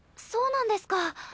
そうなんですか。